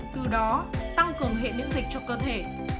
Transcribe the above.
từ đó tăng cường hệ miễn dịch cho cơ thể